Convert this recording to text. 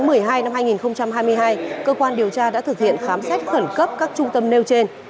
ngày một mươi hai năm hai nghìn hai mươi hai cơ quan điều tra đã thực hiện khám xét khẩn cấp các trung tâm nêu trên